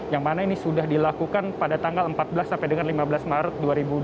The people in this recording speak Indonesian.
yang mana ini sudah dilakukan pada tanggal empat belas sampai dengan lima belas maret dua ribu dua puluh